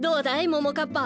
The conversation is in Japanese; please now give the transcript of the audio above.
ももかっぱ。